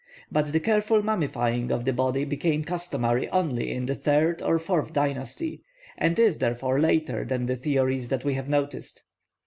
But the careful mummifying of the body became customary only in the third or fourth dynasty, and is therefore later than the theories that we have noticed.